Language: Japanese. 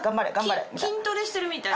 筋トレしてるみたいな。